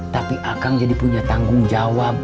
tapi akang jadi punya tanggung jawab